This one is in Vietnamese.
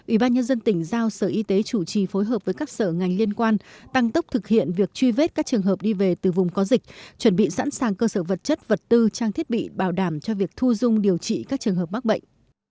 ủy ban nhân dân tỉnh giao sở y tế chủ trì phối hợp với các sở ngành liên quan tăng tốc thực hiện việc truy vết các trường hợp đi về từ vùng có dịch chuẩn bị sẵn sàng cơ sở vật chất vật tư trang thiết bị bảo đảm cho việc thu dung điều trị các trường hợp mắc bệnh